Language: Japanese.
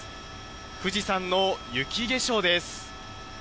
富士山の雪化粧です。